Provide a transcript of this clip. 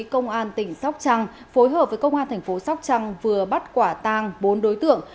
công an tỉnh sóc trăng phối hợp với công an thành phố sóc trăng vừa bắt quả tang bốn đối tượng